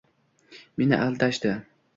Meni aldashdi!